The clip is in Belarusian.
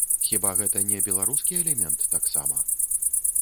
Хіба гэта не беларускі элемент таксама?